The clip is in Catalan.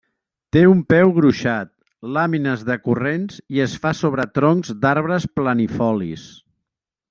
Té un peu gruixat, làmines decurrents i es fa sobre troncs d'arbres planifolis.